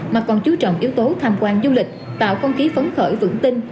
mà còn chú trọng yếu tố tham quan du lịch tạo không khí phấn khởi vững tin